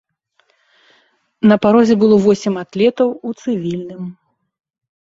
На парозе было восем атлетаў у цывільным.